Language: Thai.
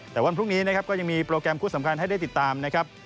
แต่วันพรุ่งนี้นะครับก็ยังมีโปรแกรมคู่สำคัญให้ได้ติดตามนะครับ